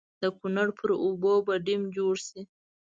د کنړ پر اوبو به ډېم جوړ شي.